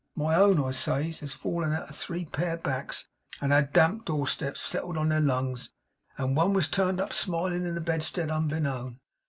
My own," I says, "has fallen out of three pair backs, and had damp doorsteps settled on their lungs, and one was turned up smilin' in a bedstead unbeknown.